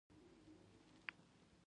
ګل د شفق ښکلا لري.